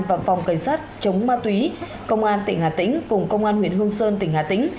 và phòng cảnh sát chống ma túy công an tỉnh hà tĩnh cùng công an huyện hương sơn tỉnh hà tĩnh